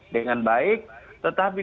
dengan baik tetapi